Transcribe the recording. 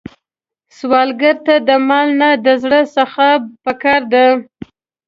سوالګر ته د مال نه، د زړه سخا پکار ده